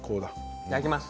いただきます。